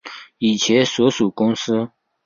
以前所属公司